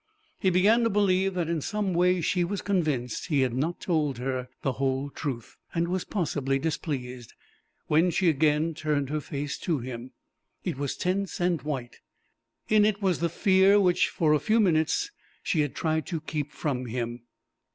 He began to believe that in some way she was convinced he had not told her the whole truth, and was possibly displeased, when she again turned her face to him. It was tense and white. In it was the fear which, for a few minutes, she had tried to keep from him.